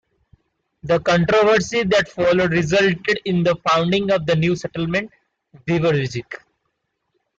The controversy that followed resulted in the founding of the new settlement, Beverwijck.